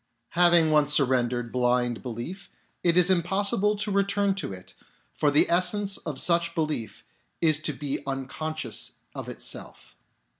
Having once surrendered blind belief, it is im possible to return to it, for the essence of such belief is to be unconscious of itself.